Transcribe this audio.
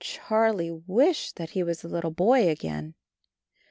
Charlie wished that he was a little boy again.